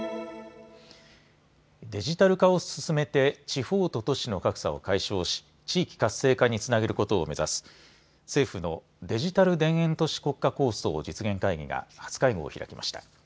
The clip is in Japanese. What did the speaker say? デジタル化を進めて地方と都市の格差を解消し地域活性化につなげることを目指す政府のデジタル田園都市国家構想実現会議が初会合を開きました。